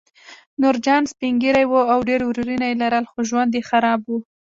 نورجان سپین ږیری و او ډېر ورېرونه یې لرل خو ژوند یې خراب و